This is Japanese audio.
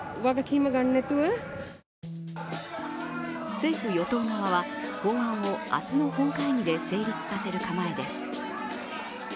政府・与党側は、法案を明日の本会議で成立させる構えです。